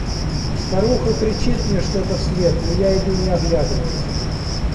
Старуха кричит мне что-то вслед, но я иду не оглядываясь.